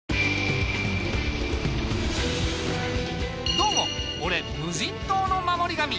どうも俺無人島の守り神。